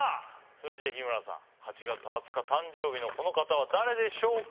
それじゃ日村さん８月２０日誕生日のこの方は誰でしょうか？